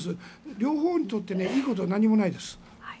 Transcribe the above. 両方にとっていいことは何もないです。